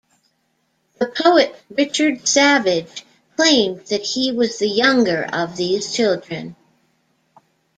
The poet Richard Savage claimed that he was the younger of these children.